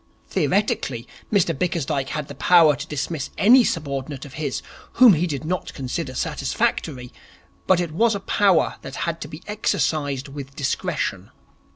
Theoretically, Mr Bickersdyke had the power to dismiss any subordinate of his whom he did not consider satisfactory, but it was a power that had to be exercised with discretion.